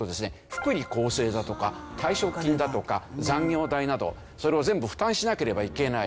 福利厚生だとか退職金だとか残業代などそれを全部負担しなければいけない。